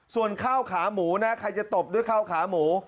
ส่วนข้าวขาหมูนะใครจะตบด้วยข้าวขาหมู